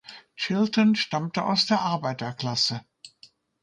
Chilton stammte aus der Arbeiterklasse.